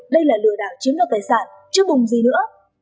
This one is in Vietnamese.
đây là lừa đảo chiếm được tài sản chứ bùng gì nữa